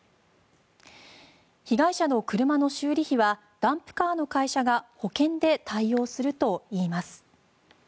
被害者の車の修理費はダンプカーの会社が保険で対応するといいます。